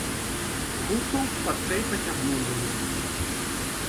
Густаў шпарчэй пацягнуў яе.